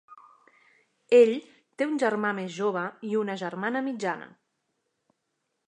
Ell té un germà més jove i una germana mitjana.